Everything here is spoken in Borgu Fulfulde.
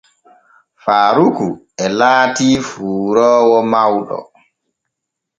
Faaruku e laatii fuuroowo mawɗo.